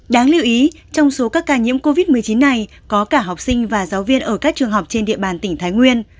đáng lưu ý trong số các ca nhiễm covid một mươi chín này có cả học sinh và giáo viên ở các trường học trên địa bàn tỉnh thái nguyên